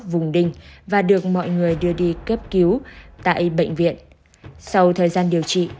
tổn đinh và được mọi người đưa đi kếp cứu tại bệnh viện sau thời gian điều trị